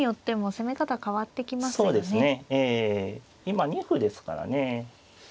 今２歩ですからね。